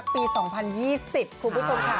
คุณผู้ชมขาหลาง